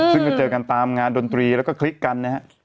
ซึ่งก็เจอกันตามงานดนตรีแล้วก็คลิกกันนะฮะ